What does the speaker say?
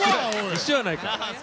一緒やないか。